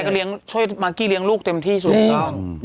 ใช่ก็ช่วยมากกี้เลี้ยงลูกเต็มที่สุด